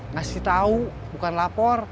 ngasih tau bukan lapor